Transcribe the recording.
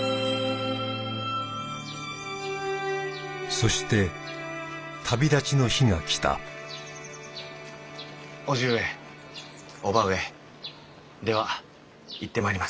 そして旅立ちの日が来た叔父上叔母上では行ってまいります。